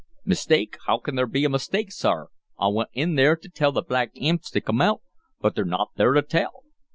"Mistake? How can there be a mistake, sor? I wint in there to tell th' black imps t' come out, but they're not there to tell!"